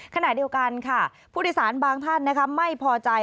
ขณะเดียวกันค่ะผู้โดยสารบางท่านไม่พอใจ